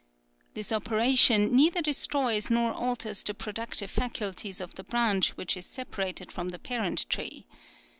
This operation neither destroys nor alters the productive faculties of the branch which is separated from the parent tree.